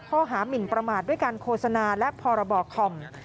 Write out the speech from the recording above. หมินประมาทด้วยการโฆษณาและพรบคอม